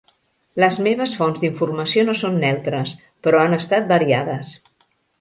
Les meves fonts d'informació no són neutres, però han estat variades.